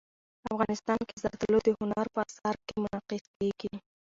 افغانستان کې زردالو د هنر په اثار کې منعکس کېږي.